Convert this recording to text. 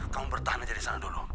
kamu bertahan aja disana dulu